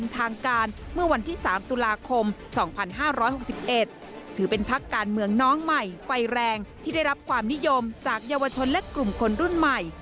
ถือเป็นพักการเมืองน้องใหม่ไฟแรงที่ได้รับความนิยมจากเยาวชนและกลุ่มคนรุ่นใหม่